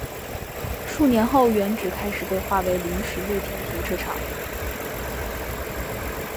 数年后原址开始被划为临时露天停车场。